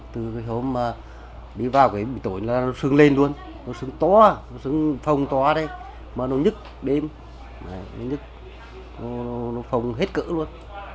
từ cái hôm mà đi vào cái tối là nó sưng lên luôn nó sưng to nó sưng phòng to đây mà nó nhức đêm nó nhức nó phòng hết cỡ luôn